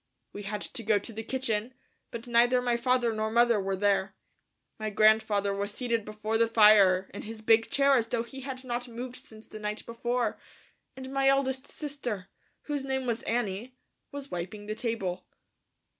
We had to go to the kitchen, but neither my father nor mother were there. My grandfather was seated before the fire in his big chair as though he had not moved since the night before, and my eldest sister, whose name was Annie, was wiping the table.